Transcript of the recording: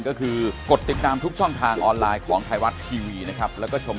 ขอบคุณธรายเจด้วยนะครับ